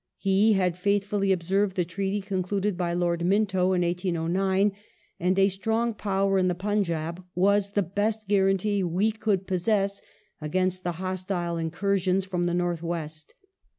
He had faithfully observed the treaty concluded by Lord Minto in 1809, and a strong power in the Punjab was the best guarantee we could possess against hostile incursions from the north west.